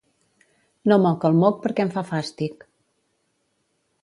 No moc el moc perquè em fa fàstic